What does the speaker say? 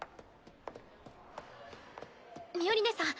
ミオリネさん